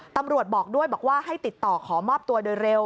ตำรวจบอกด้วยบอกว่าให้ติดต่อขอมอบตัวโดยเร็ว